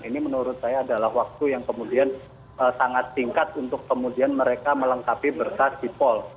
ini menurut saya adalah waktu yang kemudian sangat singkat untuk kemudian mereka melengkapi berkas di pol